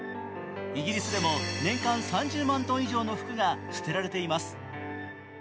イギリスでも年間３０万トン以上の服が捨てられています。